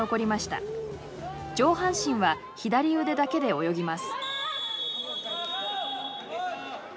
上半身は左腕だけで泳ぎます。